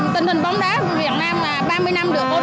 tình hình bóng đá việt nam ba mươi năm được cố định